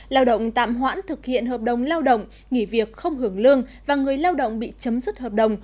lao động tạm hoãn thực hiện hợp đồng lao động nghỉ việc không hưởng lương và người lao động bị chấm dứt hợp đồng